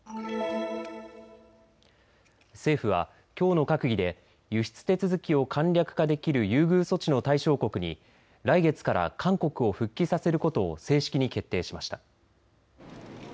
政府はきょうの閣議で輸出手続きを簡略化できる優遇措置の対象国に来月から韓国を復帰させることを正式に決定しました。